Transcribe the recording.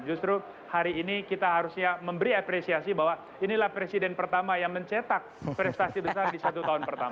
justru hari ini kita harusnya memberi apresiasi bahwa inilah presiden pertama yang mencetak prestasi besar di satu tahun pertama